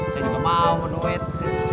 saya juga mau duit